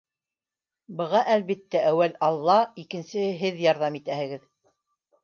Быға, әлбиттә, әүәл алла, икенсе һеҙ ярҙам итәһегеҙ.